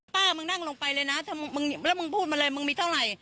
ป้ามึงนั่งลงไปเลยนะถ้ามึงแล้วมึงพูดมาเลยมึงมีเท่าไหร่